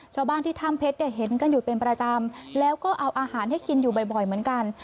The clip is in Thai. ชาวบ้านที่ถ้ำเพชรเนี่ยเห็นกันอยู่เป็นประจำแล้วก็เอาอาหารให้กินอยู่บ่อยเหมือนกัน